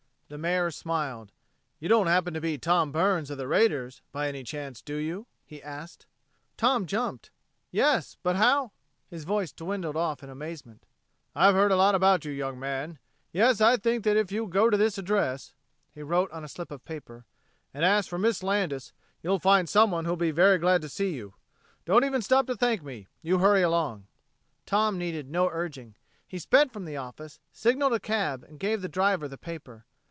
The Mayor smiled. "You don't happen to be Tom Burns of the raiders, by any chance, do you?" he asked. Tom jumped. "Yes but how...." His voice dwindled off in amazement. "I've heard a lot about you, young man. Yes, I think that if you'll go to this address" he wrote on a slip of paper "and ask for Miss Landis, you'll find someone who'll be very glad to see you. Don't even stop to thank me you hurry along." Tom needed no urging. He sped from the office, signaled a cab and gave the driver the paper.